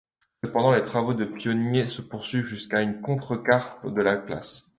Cependant les travaux des pionniers se poursuivent jusqu'à une contrescarpe de la place.